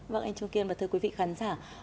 vâng anh trung kiên và thưa quý vị khán giả